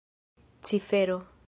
cifero